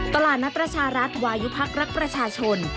ตลาดนัดประชารัฐวายุพักรักประชาชน